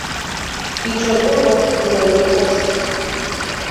Иҿагыло длаирҟәышт.